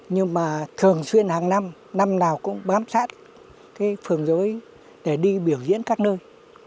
nhưng mà thường xuyên hàng năm năm nào cũng bám sát cái phường dối để đi biểu diễn các nơi